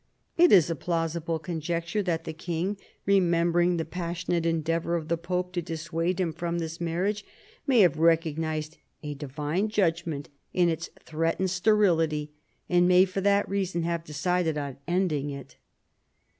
It is a plausible conjecture that the king, remembering the passionate endeavor of the pope to dissuade him from this marriage, may have recognized a Divine judgment in its threatened sterility, and maj'^ for that reason have decided on ending it.